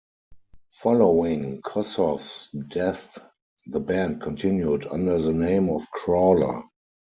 Following Kossoff's death, the band continued under the name of Crawler.